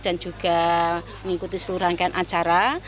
dan juga mengikuti seluruh rangkaian acara